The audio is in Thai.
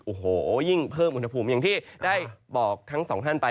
โอ้โหยิ่งเพิ่มอุณหภูมิอย่างที่ได้บอกทั้งสองท่านไป